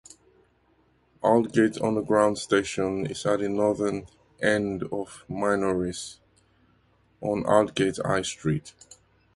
Aldgate Underground station is at the northern end of Minories, on Aldgate High Street.